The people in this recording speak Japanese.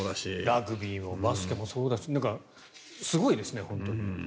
ラグビーもバスケもそうだしすごいですね、本当に。